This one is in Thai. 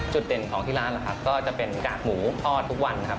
จุดเด่นของที่ร้านนะครับก็จะเป็นกากหมูทอดทุกวันครับ